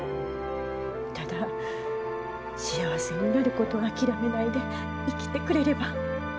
ただ幸せになることを諦めないで生きてくれれば。